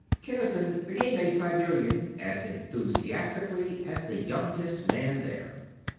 Kinnison became a Siberian as enthusiastically as the youngest man there.